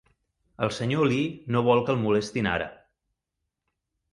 El senyor Lee no vol que el molestin ara.